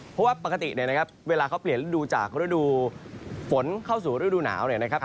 เพราะว่าปกติเนี่ยนะครับเวลาเขาเปลี่ยนฤดูจากฤดูฝนเข้าสู่ฤดูหนาวเนี่ยนะครับ